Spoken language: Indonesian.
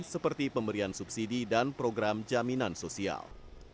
seperti pemberian subsidi dan program jaminan sosial